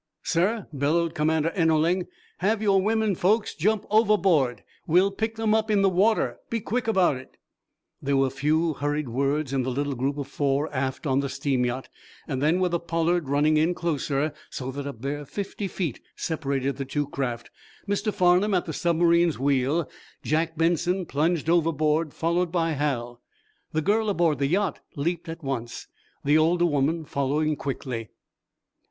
"Sir," bellowed Commander Ennerling, "Have your women folks jump overboard. We'll pick them up in the water. Be quick about it!" There were a few hurried words in the little group of four aft on the steam yacht. Then, with the "Pollard" running in closer, so that a bare fifty feet separated the two craft Mr. Farnum at the submarine's wheel Jack Benson plunged overboard, followed by Hal. The girl aboard the yacht leaped at once, the older woman following quickly.